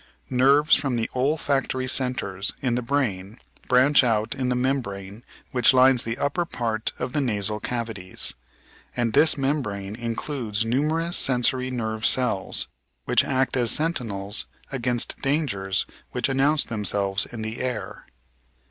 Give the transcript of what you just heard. Nerves from the olfactory centres in the brain branch out in the membrane which lines the upper part of the nasal cavities, and this membrane in cludes numerous sensory nerve cells which act as sentinels against dangers which announce themselves in the air.